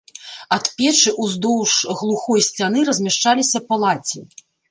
Ад печы ўздоўж глухой сцяны размяшчаліся палаці.